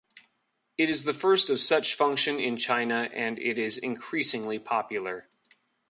It is the first of such function in China, and it is increasingly popular.